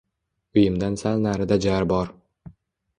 Uyimdan sal narida jar bor